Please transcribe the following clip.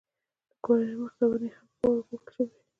د کور مخې ته ونې هم په واورو پوښل شوې وې.